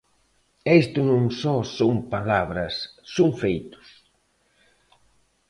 E isto non só son palabras son feitos.